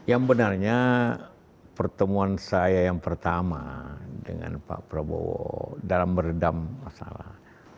yang benarnya pertemuan saya yang pertama dengan pak prabowo dalam meredam masalah